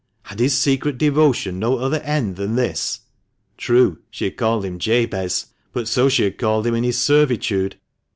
Had his secret devotion no other end than this ? True, she had called him " Jabez," but so she had called him in his servitude.